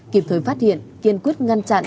kịp thời phát hiện kiên quyết ngăn chặn